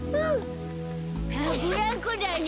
ブランコだね。